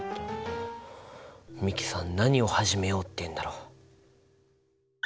美樹さん何を始めようっていうんだろう？